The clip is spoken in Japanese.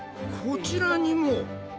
こちらにも！